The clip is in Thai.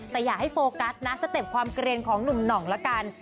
แต่อย่าให้โฟกัสนะสเต็ปความเกลียนของหนุ่มหน่องละกัน